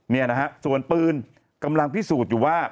เนี่ยนะฮะส่วนปืนกำลังพิสูจน์อยู่ว่า